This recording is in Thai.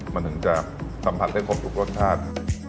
มันถึงจะสัมผัสได้ครบทุกรสชาติ